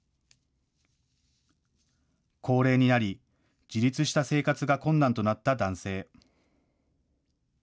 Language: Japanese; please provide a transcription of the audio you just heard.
高齢になり、自立した生活が困難となった男性。